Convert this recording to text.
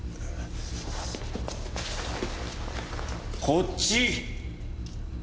こっち！